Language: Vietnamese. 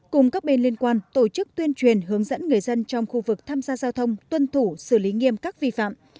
cùng các bên liên quan tổ chức tuyên truyền hướng dẫn người dân trong khu vực tham gia giao thông tuân thủ xử lý nghiêm các vi phạm